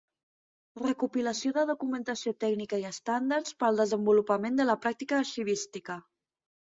Recopilació de documentació tècnica i estàndards per al desenvolupament de la pràctica arxivística.